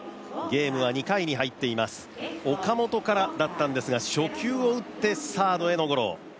ゲームは２回に入っています岡本からだったんですが初球を打ってサードへのゴロ。